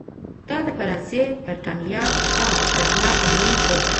دا د فرانسې، برېټانیا او هسپانیا ترمنځ و.